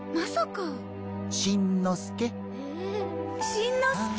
しんのすけ！